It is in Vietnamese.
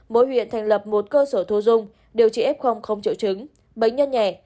mỗi huyện thành lập một cơ sở thu dung điều trị f không triệu chứng bệnh nhân nhẹ